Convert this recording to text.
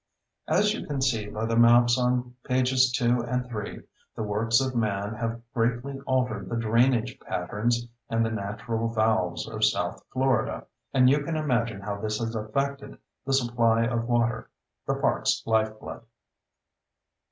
As you can see by the maps on pages 2 and 3, the works of man have greatly altered the drainage patterns and the natural values of south Florida, and you can imagine how this has affected the supply of water—the park's lifeblood.